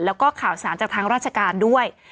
แล้วก็ข่าวสารจากทางราชการด้วย